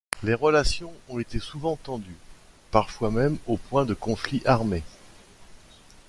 Les relations ont été souvent tendues, parfois même au point de conflit armé.